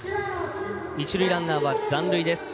一塁ランナーは残塁です。